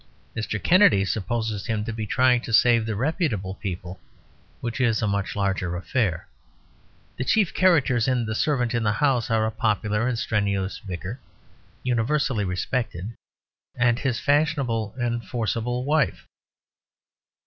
Mr. Kennedy supposes Him to be trying to save the reputable people, which is a much larger affair. The chief characters in The Servant in the House are a popular and strenuous vicar, universally respected, and his fashionable and forcible wife.